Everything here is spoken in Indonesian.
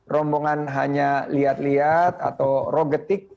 rombongan hanya liat liat atau rogetik